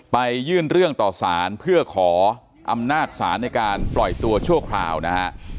ไปยื่นเรื่องต่อสารเพื่อขออำนาจศาลในการปล่อยตัวชั่วคราวนะฮะ